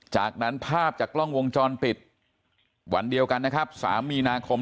จากนั้นภาพจากกล้องวงจรปิดวันเดียวกันนะครับ๓มีนาคม